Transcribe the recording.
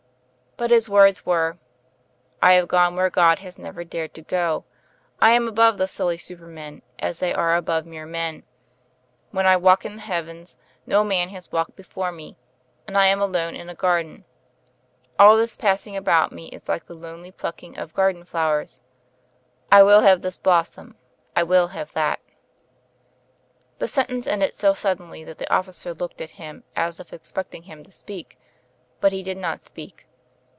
But his words were: "I have gone where God has never dared to go. I am above the silly supermen as tiiey are above mere men. Where I walk in the Heavens, no man has walked before me; and I am alone in a garden. All this passing about me is like the lonely plucking of garden flowers. I will have this blossom, I will have that.'' The sentence ended so suddenly that the officer looked at him, as if expecting him to speak. But he did not speak.